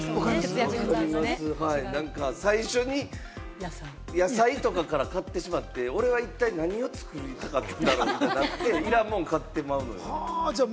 最初に野菜とかから買ってしまって、俺は一体何を作りたかったんだろうってなって、いらんもん買ってまうのよ。